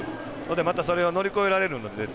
また、それを乗り越えられるので。